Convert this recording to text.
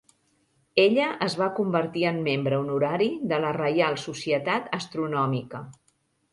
Ella es va convertir en membre honorari de la Reial Societat Astronòmica.